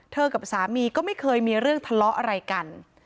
กับสามีก็ไม่เคยมีเรื่องทะเลาะอะไรกัน